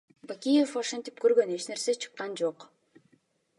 Бакиев ошентип көргөн, эч нерсе чыккан жок.